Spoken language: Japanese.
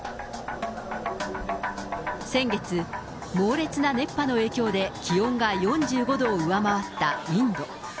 先月、猛烈な熱波の影響で気温が４５度を上回ったインド。